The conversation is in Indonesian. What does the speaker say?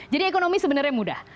jadi ekonomi sebenarnya mudah